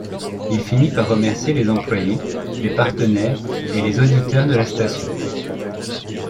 Il finit par remercier les employés, les partenaires et les auditeurs de la station.